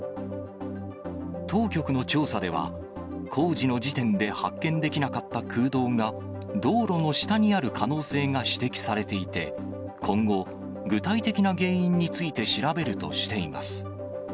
当局の調査では、工事の時点で発見できなかった空洞が、道路の下にある可能性が指摘されていて、今後、具体的な原因について調べるとしています。